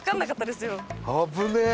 危ねえ！